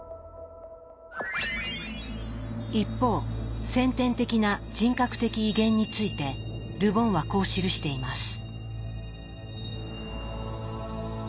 一方先天的な人格的威厳についてル・ボンはこう記しています。